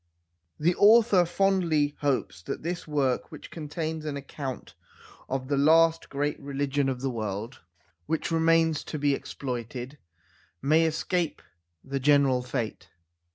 The author fondly hopes that this work, which contains an account of the last great religion of the world t SIKH. I C xxxiv THE SIKH RELIGION which remains to be exploited, may escape the general fate.